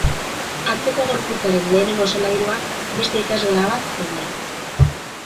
Atzeko gorputzaren lehenengo solairuan, beste ikasgela bat zegoen.